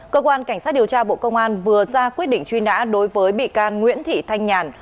cơ quan cảnh sát điều tra bộ công an vừa ra quyết định truy nã đối với bị can nguyễn thị thanh nhàn